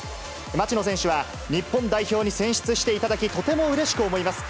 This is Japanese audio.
町野選手は、日本代表に選出していただき、とてもうれしく思います。